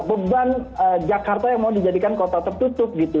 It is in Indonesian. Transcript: beban jakarta yang mau dijadikan kota tertutup gitu